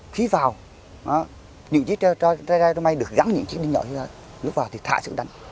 khi vào những chiếc rơi tre rơi mây được gắn những chiếc đinh nhỏ ra lúc vào thì thả sự đánh